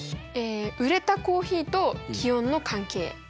売れたコーヒーと気温の関係。